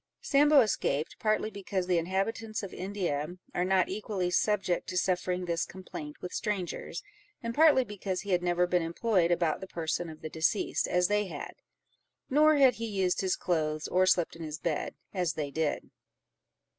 Sambo escaped, partly because the inhabitants of India are not equally subject to suffering this complaint with strangers, and partly because he had never been employed about the person of the deceased as they had, nor had he used his clothes, nor slept in his bed, as they did.